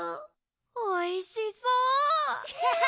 おいしそう！